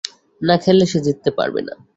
না খেললে, সে জিততে পারবে না।